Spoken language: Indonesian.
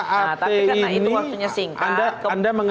nah tapi karena itu waktunya singkat